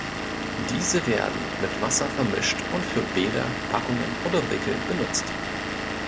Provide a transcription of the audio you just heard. Diese werden mit Wasser vermischt und für Bäder, Packungen oder Wickel benutzt.